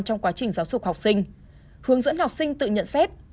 trong quá trình giáo dục học sinh hướng dẫn học sinh tự nhận xét